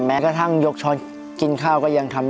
แม้กระทั่งยกช้อนกินข้าวก็ยังทำ